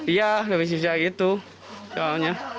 iya lebih susah gitu soalnya